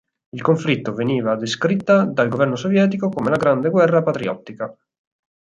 Il conflitto veniva descritta dal governo sovietico come la Grande guerra patriottica.